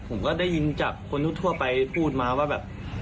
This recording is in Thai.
ผมก็ได้ยินจากคนทั่วไปพูดมาว่าแบบ